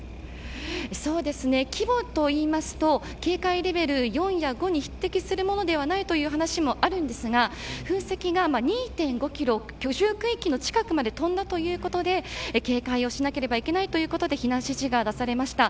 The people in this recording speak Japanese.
規模といいますと警戒レベル４や５に匹敵するものではないという話もあるんですが噴石が２．５キロ居住区域の近くまで飛んだということで警戒をしなければいけないということで避難指示が出されました。